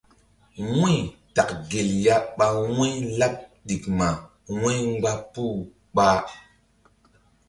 Wu̧y tak gel ya ɓa wu̧y̧-laɓ ɗikma wu̧y mgba puh ɓa.